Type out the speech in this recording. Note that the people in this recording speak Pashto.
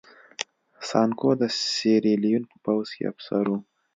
سانکو د سیریلیون په پوځ کې افسر و.